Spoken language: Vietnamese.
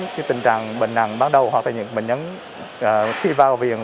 cái tình trạng bệnh nặng ban đầu hoặc là những bệnh nhân khi vào viện